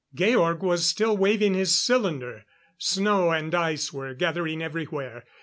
Georg was still waving his cylinder. Snow and ice were gathering everywhere.